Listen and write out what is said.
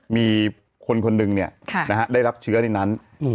มีคนคนหนึ่งเนี้ยค่ะนะฮะได้รับเชื้อในนั้นอืม